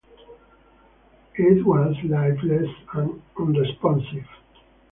It was lifeless and unresponsive.